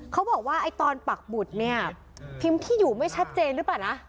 เขาบอกว่าไอ้ตอนปักบุตรเนี่ยพิมพ์ที่อยู่ไม่ชัดเจนหรือเปล่านะ